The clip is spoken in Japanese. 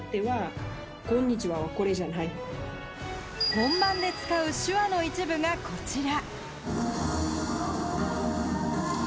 本番で使う手話の一部がこちら。